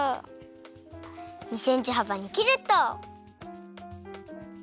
２センチはばにきるっと。